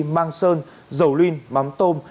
mang sơn dầu linh mắm tôm